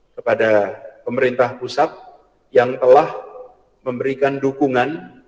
kepada pemerintah pusat yang telah memberikan dukungan